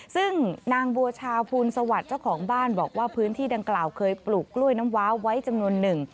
ซึ่งนางบัวชาภูลสวัสดิ์เจ้าของบ้านบอกว่าพื้นที่ดังกล่าวเคยปลูกกล้วยน้ำว้าไว้จำนวนหนึ่ง